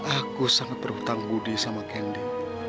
aku sangat berhutang budi sama kendi